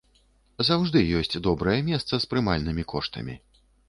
Заўжды ёсць добрае месца з прымальнымі коштамі.